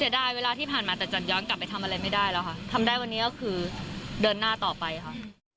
ดายเวลาที่ผ่านมาแต่จัดย้อนกลับไปทำอะไรไม่ได้แล้วค่ะทำได้วันนี้ก็คือเดินหน้าต่อไปค่ะ